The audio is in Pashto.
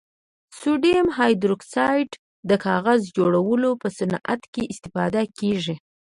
سوډیم هایدروکسایډ د کاغذ جوړولو په صنعت کې استفاده کیږي.